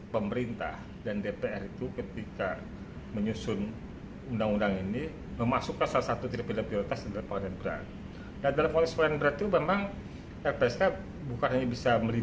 tidak ada pertanyaan menjerat kemudian tidak membuat situasi tidak nyaman buat saksi